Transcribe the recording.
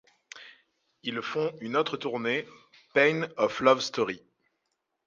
Ils font une autre tournée, Pain of Love Story.